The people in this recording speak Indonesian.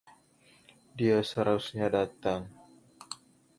Dia seharusnya datang.